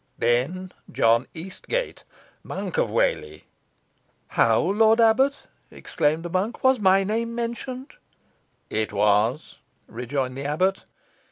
Then John Eastgate, Monk of Whalley " "How, lord abbot!" exclaimed the monk. "Was my name mentioned?" "It was," rejoined the abbot.